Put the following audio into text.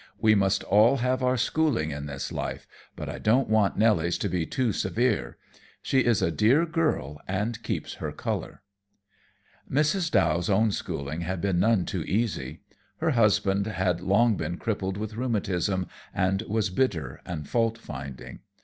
We must all have our schooling in this life, but I don't want Nelly's to be too severe. She is a dear girl, and keeps her color." Mrs. Dow's own schooling had been none too easy. Her husband had long been crippled with rheumatism, and was bitter and faultfinding.